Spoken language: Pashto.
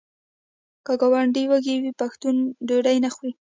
که ګاونډی وږی وي پښتون ډوډۍ نه خوري.